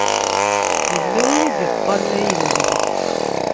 Yella win i d-iṭṭalayen deg-k.